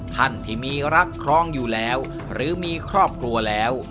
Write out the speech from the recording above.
ท่านที่มีรักครองอยู่แล้วหรือมีครอบครัวแล้ว